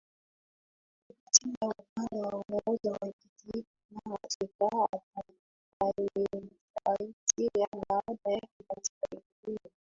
kupitia upande wa umoja wa kitaifa Afrika atakayemfuatia baada yake katika ikulu